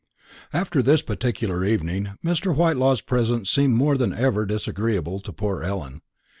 After this particular evening, Mr. Whitelaw's presence seemed more than ever disagreeable to poor Ellen.